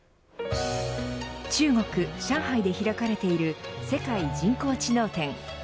中国、上海で開かれている世界人工知能展。